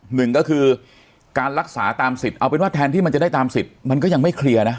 หนึ่งก็คือการรักษาตามสิทธิ์เอาเป็นว่าแทนที่มันจะได้ตามสิทธิ์มันก็ยังไม่เคลียร์นะ